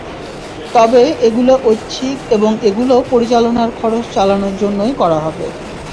তবে এগুলো ঐচ্ছিক এবং এলো পরিচালনার খরচ চালানোর জন্যই করা হবে।